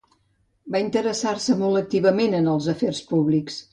Va interessar-se molt activament en els afers públics.